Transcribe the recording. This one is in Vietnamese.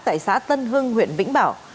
tại xã tân hưng huyện vĩnh bảo